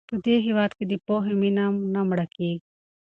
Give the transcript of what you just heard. په دې هېواد کې د پوهې مینه نه مړه کېږي.